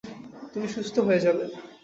তুমি সুস্থ হয়ে যাবে।